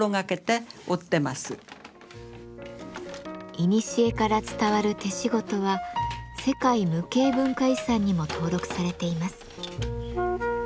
いにしえから伝わる手仕事は世界無形文化遺産にも登録されています。